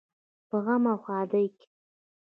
په غم او ښادۍ کې.